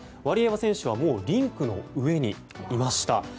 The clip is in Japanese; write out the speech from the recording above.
ワリエワ選手はもうリンクの上にいました。